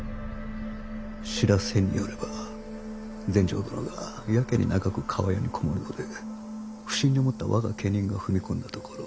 知らせによれば全成殿がやけに長く厠に籠もるので不審に思った我が家人が踏み込んだところ。